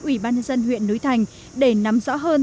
ủy ban nhân dân huyện núi thành để nắm rõ hơn